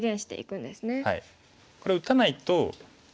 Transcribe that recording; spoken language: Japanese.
これ打たないと。